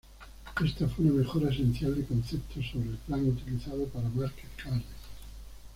Esta fue una mejora esencial de concepto sobre el plan utilizado para Market Garden.